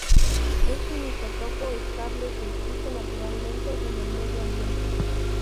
Es un isótopo estable que existe naturalmente en el medio ambiente.